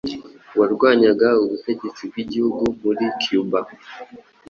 warwanyaga ubutegetsi bw’igitugu muri cuba